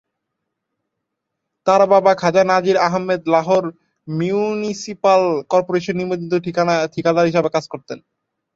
তার বাবা খাজা নাজির আহমেদ লাহোর মিউনিসিপ্যাল কর্পোরেশনে নিবন্ধিত ঠিকাদার হিসেবে কাজ করতেন।